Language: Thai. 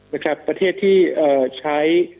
นะครับประเทศที่เอ่อใช้